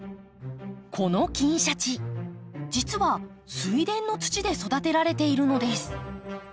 この金鯱実は水田の土で育てられているのです。